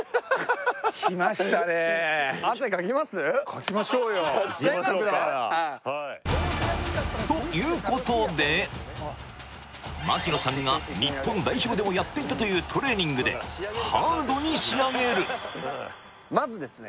かきましょうよいきましょうか槙野さんが日本代表でもやっていたというトレーニングでハードに仕上げるまずですね